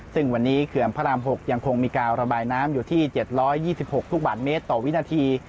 ซึ่งวันนี้เขื่อนพระราม๖ยังคงมีการระบายน้ำอยู่ที่๗๒๖ลูกบาทเมตรต่อวินาที